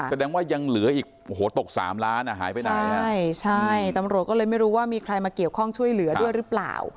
แสดงว่ายังเหลืออีกโอ้โหตกสามล้านอ่ะหายไปไหนอ่ะใช่ใช่ตำรวจก็เลยไม่รู้ว่ามีใครมาเกี่ยวข้องช่วยเหลือด้วยหรือเปล่า